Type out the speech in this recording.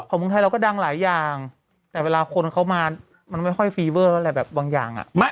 เมืองไทยเราก็ดังหลายอย่างแต่เวลาคนเขามามันไม่ค่อยฟีเวอร์อะไรแบบบางอย่างอ่ะ